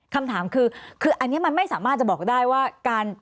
คำถามคือคืออันนี้มันไม่สามารถจะบอกได้ว่าการ